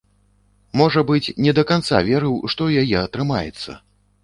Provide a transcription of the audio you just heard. Можа быць, не да канца верыў, што ў яе атрымаецца.